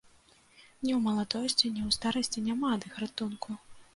Ні ў маладосці, ні ў старасці няма ад іх ратунку!